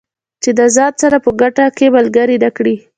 چې د ځان سره په ګټه کې ملګري نه کړي.